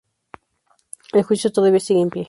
El juicio todavía sigue en pie.